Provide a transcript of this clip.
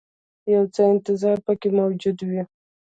یو څه انتظار پکې موجود وي.